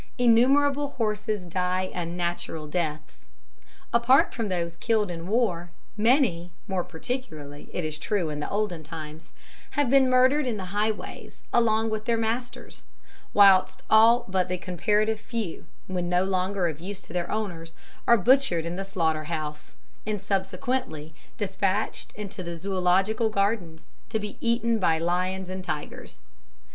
Innumerable horses die unnatural deaths. Apart from those killed in war, many, more particularly, it is true, in the olden times, have been murdered in the highways along with their masters; whilst all but the comparative few, when no longer of use to their owners, are butchered in the slaughter house, and subsequently despatched to the Zoological Gardens, to be eaten by lions and tigers.